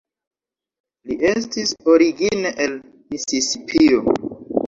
Li estis origine el Misisipio.